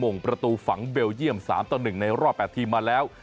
งประตูฝังเบลเยี่ยม๓ต่อ๑ในรอบ๘ทีมมาแล้ว